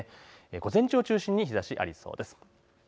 午前中を中心に日ざしはありそうです。